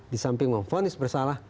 disamping memfonis bersalah